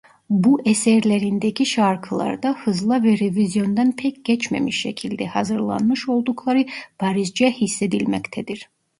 Bu eserlerindeki şarkılar da hızla ve revizyondan pek geçmemiş şekilde hazırlanmış oldukları barizce hissedilmektedir.